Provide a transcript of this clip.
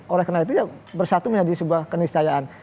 oleh karena itu ya bersatu menjadi sebuah keniscayaan